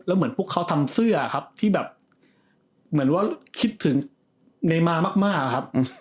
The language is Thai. เหมือนพวกเขาทำเสื้อครับที่แบบเหมือนว่าคิดถึงเนมามากครับ